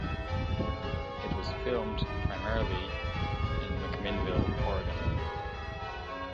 It was filmed primarily in McMinnville, Oregon.